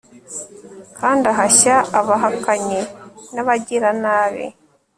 kandi ahashya abahakanyi n'abagiranabi